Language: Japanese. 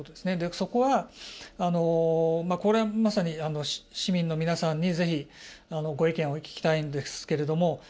そこは、これまさに市民の皆さんにぜひご意見を聞きたいんですけれども。